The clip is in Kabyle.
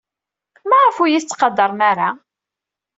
Maɣef ur iyi-tettqadarem ara?